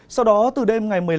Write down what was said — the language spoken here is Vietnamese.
sau đó từ đêm ngày một mươi năm